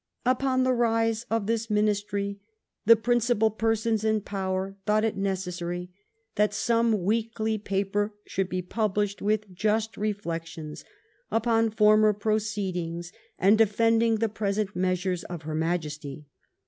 " Upon the rise of this ministry, the principal per sons in power thought it necessary, that some weekly paper should be published, with just reflections upon former proceedings, and defending the present meas ures of her Majesty.